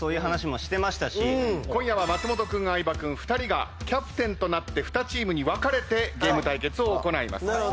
今夜は松本君相葉君二人がキャプテンとなって２チームに分かれてゲーム対決を行います。